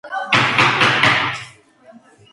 ქალაქში დღემდე შენარჩუნებულია ძველი არქიტექტურა.